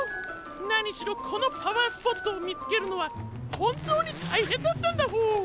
なにしろこのパワースポットをみつけるのはほんとうにたいへんだったんだホォー。